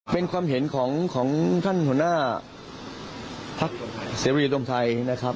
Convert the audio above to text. เป็นความเห็นของท่านหัวหน้าพักเสรีรวมไทยนะครับ